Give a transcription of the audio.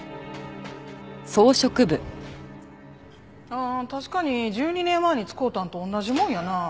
ああ確かに１２年前に使うたんと同じもんやなあ。